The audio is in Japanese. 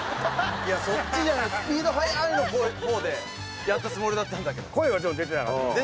いやそっちじゃないスピードはやいの方でやったつもりだったんだけど声はちょっと出てなかった出してないよ